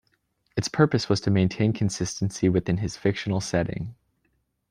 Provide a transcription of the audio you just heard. Its purpose was to maintain consistency within his fictional setting.